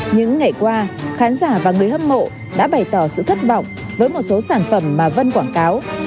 những ngày qua khán giả và người hâm mộ đã bày tỏ sự thất vọng với một số sản phẩm mà vân quảng cáo